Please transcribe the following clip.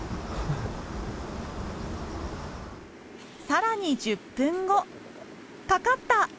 さらに１０分後かかった！